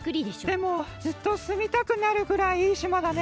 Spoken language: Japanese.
でもずっとすみたくなるくらいいいしまだね。